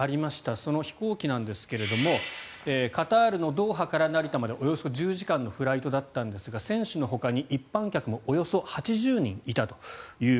その飛行機なんですがカタールのドーハから成田までおよそ１０時間のフライトだったんですが選手のほかに一般客もおよそ８０人いたと。